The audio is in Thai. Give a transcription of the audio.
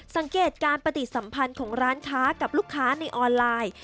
สังเกตการปฏิสัมพันธ์ของร้านค้ากับลูกค้าในออนไลน์